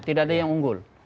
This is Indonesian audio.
tidak ada yang unggul